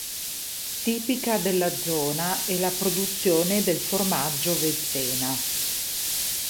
Tipica della zona è la produzione del formaggio Vezzena.